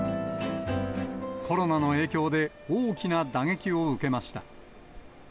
コロナの影響で大きな打撃を受けました。